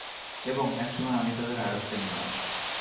এবং, একসময় আমি তাদের আয়ত্তে নিলাম।